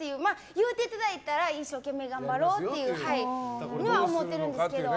言うていただいたら一生懸命頑張ろうとは思ってるんですけど。